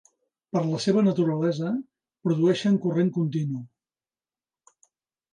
Per la seva naturalesa, produeixen corrent continu.